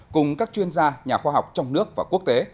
cùng các chuyên gia nhà khoa học trong nước và quốc tế